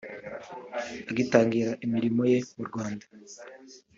Agitangira imirimo ye mu Rwanda